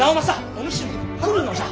お主も来るのじゃ。